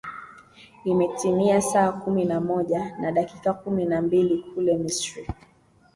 imetimia saa kumi na moja na dakika kumi na mbili kule misri